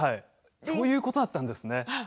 そういうことだったんですね。